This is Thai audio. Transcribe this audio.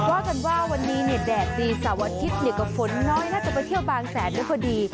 ว่ากันว่าวันนี้เนี่ยแดดดีเสาร์อาทิตย์ก็ฝนน้อยน่าจะไปเที่ยวบางแสนได้พอดี